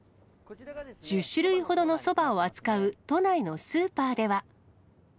１０種類ほどのそばを扱う都内のスーパーでは。